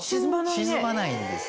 沈まないんです。